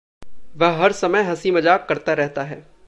वह हर समय हसीं-मज़ाक करता रहता है।